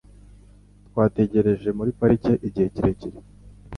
Twategereje muri parike igihe kirekire.